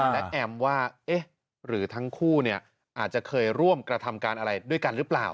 และแอมว่าเอ๊ะหรือทั้งคู่อาจจะเคยร่วมกระทำการอะไรด้วยกันหรือเปล่า